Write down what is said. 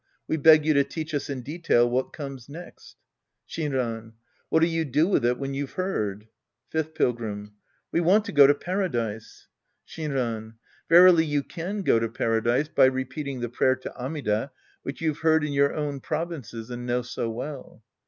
We beg you to teach us in detail what comes next. Shinran. Whal'Il you do with it when you've heard ? Fifth Pilgrim. We want to go to Paradise. Shinran. Verily you can go to Paradise by repeat ing the prayer to Amida which you've heard in your own provinces and know so well.